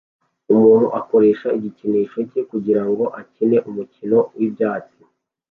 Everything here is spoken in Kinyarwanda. Umuntu akoresha igikinisho cyaka kugirango akine umukino wibyatsi